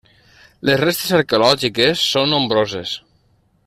Les restes arqueològiques són nombroses.